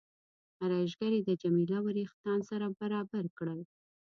ارایشګرې د جميله وریښتان سره برابر کړل.